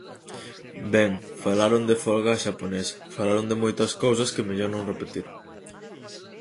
Ben, falaron de folga á xaponesa, falaron de moitas cousas que mellor non repetir.